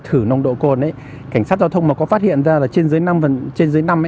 thử nồng độ cồn ấy cảnh sát giao thông mà có phát hiện ra là trên dưới năm mg